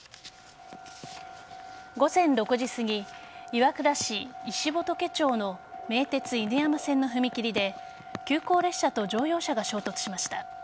午前６時すぎ岩倉市石仏町の名鉄犬山線の踏切で急行列車と乗用車が衝突しました。